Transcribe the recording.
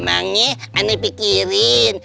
emangnya aneh pikirin